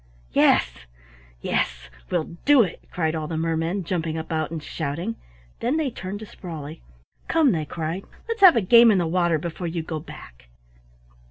"Yes, yes! we'll do it," cried all the mermen jumping about and shouting. Then they turned to Sprawley. "Come," they cried, "let's have a game in the water before you go back."